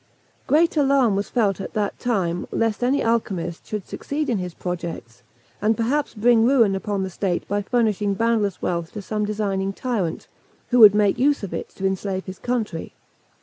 Great alarm was felt at that time lest any alchymist should succeed in his projects, and perhaps bring ruin upon the state by furnishing boundless wealth to some designing tyrant, who would make use of it to enslave his country.